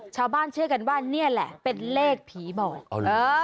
ชาวบ้านเชื่อกันว่าเนี่ยแหละเป็นเลขผีบอกเออ